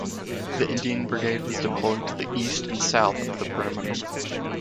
The Indian brigade was deployed to the east and south of the perimeter.